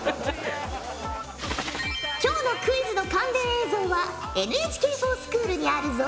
今日のクイズの関連映像はＮＨＫｆｏｒＳｃｈｏｏｌにあるぞ。